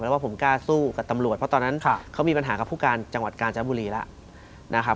ว่าผมกล้าสู้กับตำรวจเพราะตอนนั้นเขามีปัญหากับผู้การจังหวัดกาญจนบุรีแล้วนะครับ